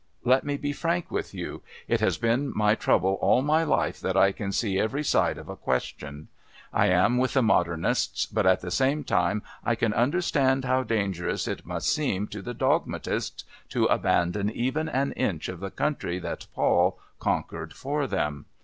Let me be frank with you. It has been my trouble all my life that I can see every side of a question. I am with the modernists, but at the same time I can understand how dangerous it must seem to the dogmatists to abandon even an inch of the country that Paul conquered for them.